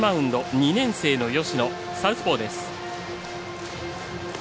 ２年生の芳野サウスポーです。